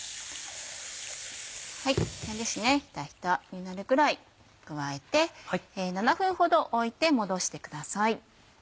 ヒタヒタになるくらい加えて７分ほどおいて戻してください。